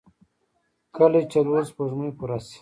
کله چې څلور سپوږمۍ پوره شي.